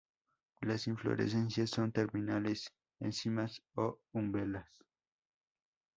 Las inflorescencias son terminales en cimas o umbelas.